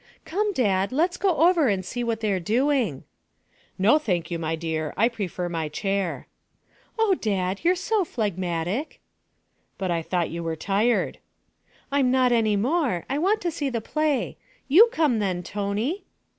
'Come, Dad; let's go over and see what they're doing.' 'No, thank you, my dear. I prefer my chair.' 'Oh, Dad, you're so phlegmatic!' 'But I thought you were tired.' 'I'm not any more; I want to see the play. You come then, Tony.'